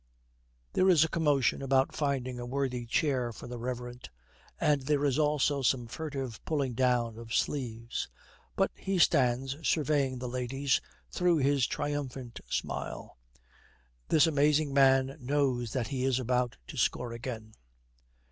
There is a commotion about finding a worthy chair for the reverent, and there is also some furtive pulling down of sleeves, but he stands surveying the ladies through his triumphant smile. This amazing man knows that he is about to score again.